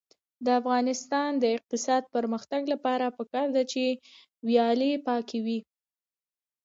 د افغانستان د اقتصادي پرمختګ لپاره پکار ده چې ویالې پاکې وي.